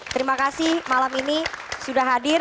terima kasih malam ini sudah hadir